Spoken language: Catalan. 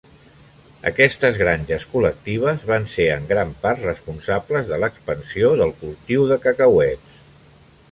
Aquestes granges col·lectives van ser en gran part responsables de l'expansió del cultiu de cacauets.